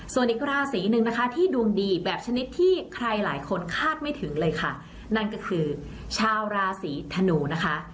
ส่วนอีกราศีหนึ่งนะคะที่ดวงดีแบบชนิดที่ใครหลายคนคาดไม่ถึงเลยค่ะนั่นก็คือชาวราศีธนูนะคะ